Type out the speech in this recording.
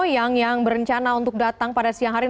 yang berencana untuk datang pada siang hari ini